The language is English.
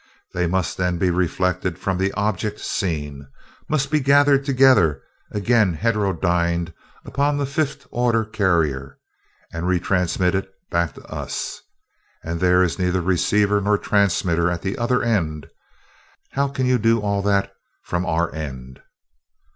They must then be reflected from the object seen, must be gathered together, again heterodyned upon the fifth order carrier, and retransmitted back to us. And there is neither receiver nor transmitter at the other end. How can you do all that from our end?"